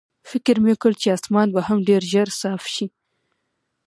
فکر مې وکړ چې اسمان به هم ډېر ژر صاف شي.